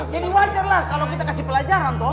jadi wajar lah kalo kita kasih pelajaran toh